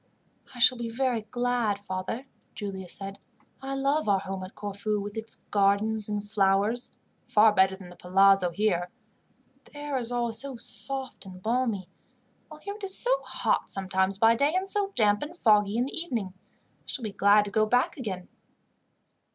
"I shall be very glad, father," Giulia said. "I love our home at Corfu, with its gardens and flowers, far better than the palazzo here. The air is always soft and balmy, while here it is so hot sometimes by day, and so damp and foggy in the evening. I shall be glad to go back again."